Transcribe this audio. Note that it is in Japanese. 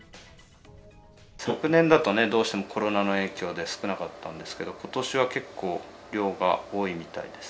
昨年だと、どうしてもコロナの影響で少なかったんですけど、ことしは結構、量が多いみたいです。